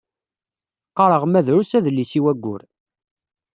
Qqareɣ ma drus adlis i wayyur.